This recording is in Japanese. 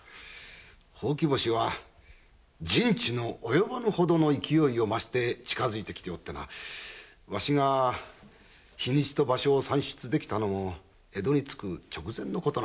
ほうき星は人知の及ばぬほどの勢いを増して近づいてきており日にちと場所を算出できたのもわしが江戸に着く直前のことだ。